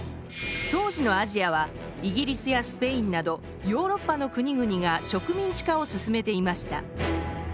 当時のアジアはイギリスやスペインなどヨーロッパの国々が植民地化を進めていました。